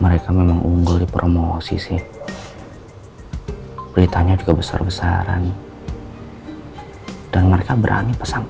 mereka memang unggul di promo osisi beritanya juga besar besaran dan mereka berani pesan